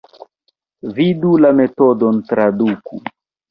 Vidu la metodon traduku.